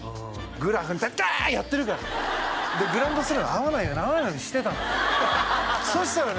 グラフにダーッやってるからグランドスラムで会わないように会わないようにしてたのそしたらね